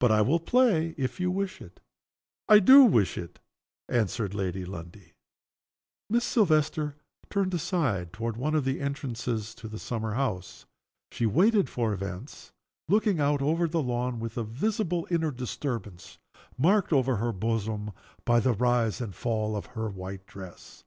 But I will play if you wish it." "I do wish it," answered Lady Lundie. Miss Silvester turned aside toward one of the entrances into the summer house. She waited for events, looking out over the lawn, with a visible inner disturbance, marked over the bosom by the rise and fall of her white dress.